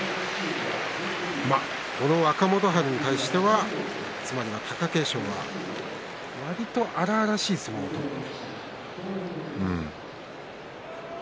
若元春に対してはつまり貴景勝はわりと荒々しい相撲を取っています。